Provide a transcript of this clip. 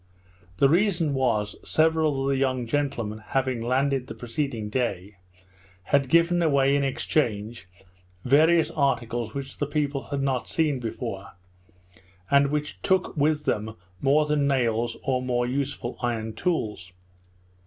The reason was, several of the young gentlemen having landed the preceding day, had given away in exchange various articles which the people had not seen before, and which took with them more than nails or more useful iron tools.